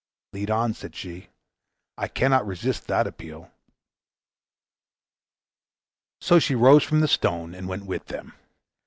"Lead on," said she, "I cannot resist that appeal!" So she rose from the stone and went with them.